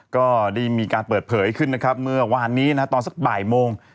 ก็ได้มีการเปิดเผยขึ้นนะครับเมื่อวานนี้นะตอนสักบ่ายโมง